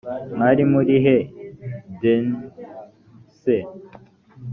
mwari mu rihe dini se